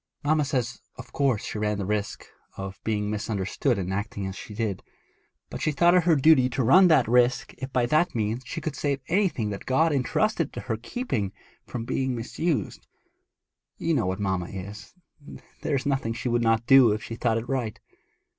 Mamma says of course she knew she ran the risk of being misunderstood in acting as she did, but she thought it her duty to run that risk if by that means she could save anything that God had entrusted to her keeping from being misused. You know what mamma is; there is nothing she would not do if she thought it right.'